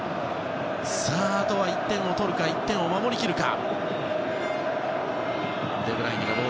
あとは１点を取るか１点を守り切るか。